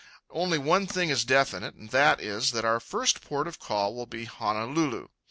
Only one thing is definite, and that is that our first port of call will be Honolulu.